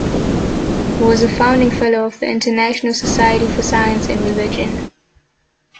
He was a founding fellow of the International Society for Science and Religion.